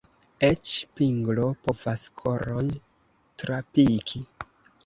Eĉ pinglo povas koron trapiki.